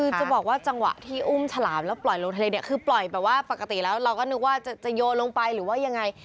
คือจะบอกว่าจังหวะที่อุ้มฉลามแล้วปล่อยลงทะเลเนี่ยคือปล่อยแบบว่าปกติแล้วเราก็นึกว่าจะโยนลงไปหรือว่ายังไง